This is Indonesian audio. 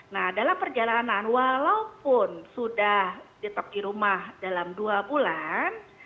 nah dalam perjalanan walaupun sudah ditop di rumah dalam dua bulan